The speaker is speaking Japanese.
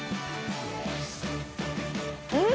うん！